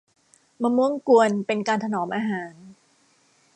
มะม่วงกวน เป็นการถนอมอาหาร